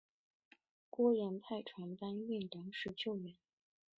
郭衍派船搬运粮食救援。